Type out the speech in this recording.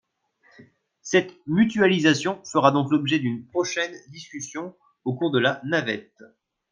Cette mutualisation fera donc l’objet d’une prochaine discussion au cours de la navette.